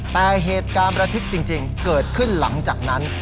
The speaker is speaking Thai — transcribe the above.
แต่เหตุการณ์ประทึกจริงเกิดขึ้นหลังจากนั้น